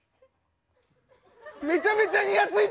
めちゃめちゃにやついとる！